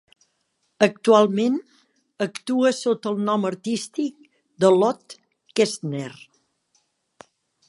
Actualment actua sota el nom artístic de Lotte Kestner.